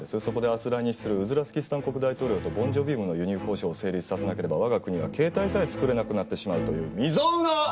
そこで明日来日するウズラスキスタン国大統領とボンジョビウムの輸入交渉を成立させなければ我が国は携帯さえ作れなくなってしまうという未曾有の！